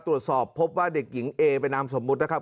ตรวจสอบพบว่าเด็กหญิงเอเป็นนามสมมุตินะครับ